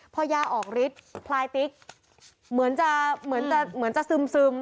พอยาออกฤทธิ์พลายติ๊กเหมือนจะเหมือนจะเหมือนจะซึม